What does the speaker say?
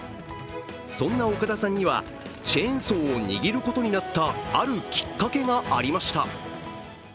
そんな岡田さんにはチェーンソーを握ることになったあるきっかけがありました。